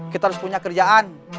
kita harus punya kerjaan